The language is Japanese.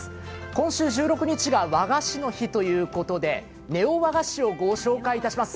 今週１６日が和菓子の日ということでネオ和菓子をご紹介します。